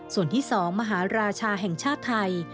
ส่วนที่๒มหาราชาแห่งชาติไทย